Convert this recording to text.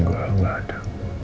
gue gak ada